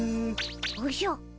おじゃ。